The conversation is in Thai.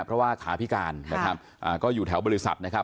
เพราะว่าขาพิการนะครับก็อยู่แถวบริษัทนะครับ